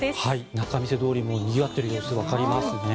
仲見世通りもにぎわっている様子わかりますね。